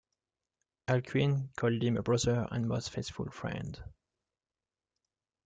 Alcuin called him a brother and most faithful friend.